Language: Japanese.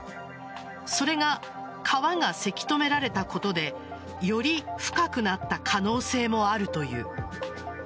それが川がせき止められたことでより深くなった可能性もあるという。